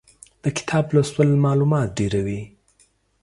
د کتاب لوستل مالومات ډېروي.